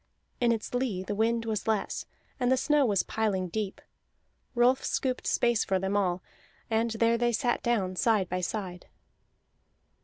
In its lee the wind was less, and the snow was piling deep; Rolf scooped space for them all, and there they sat down side by side.